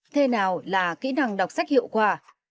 thế nào là kỹ năng đọc sách hiệu quả